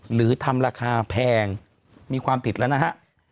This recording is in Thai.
หรือทำราคาแพงมีความผิดแล้วนะฮะ